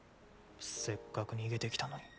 せっかく逃げてきたのに。